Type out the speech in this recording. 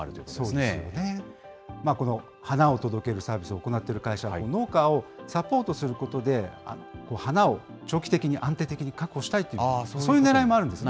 この花を届けるサービスを行ってる会社は農家をサポートすることで花を長期的に、安定的に確保したいという、そういうねらいもあるんですね。